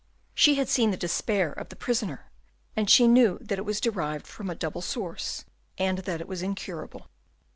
She had seen the despair of the prisoner, and she knew that it was derived from a double source, and that it was incurable.